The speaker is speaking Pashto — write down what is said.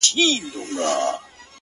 نو شاعري څه كوي ـ